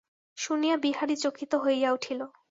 শুনিয়া বিহারী চকিত হইয়া উঠিল।